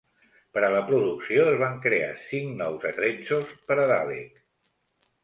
Per a la producció es van crear cinc nous atrezzos per a Dalek.